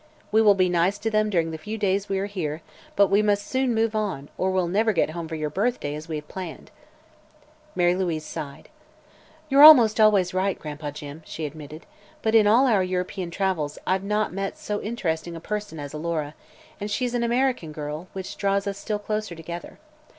We will be nice to them during the few days we are here, but we must soon move on or we'll never get home for your birthday, as we have planned." Mary Louise sighed. "You're almost always right, Gran'pa Jim," she admitted; "but in all our European travels I've not met so interesting a person as Alora, and she's an American girl, which draws us still closer together.